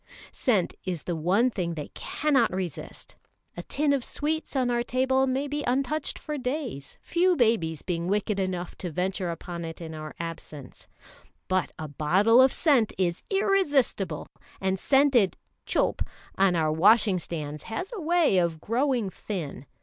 Scent is the one thing they cannot resist. A tin of sweets on our table may be untouched for days, few babies being wicked enough to venture upon it in our absence; but a bottle of scent is irresistible, and scented "chope" on our washing stands has a way of growing thin.